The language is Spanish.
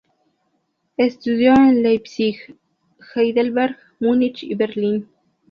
Estudió en Leipzig, Heidelberg, Munich y Berlín.